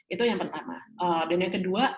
itu yang pertama dan yang kedua